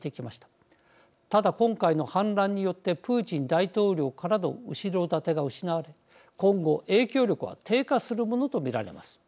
ただ今回の反乱によってプーチン大統領からの後ろ盾が失われ今後影響力は低下するものと見られます。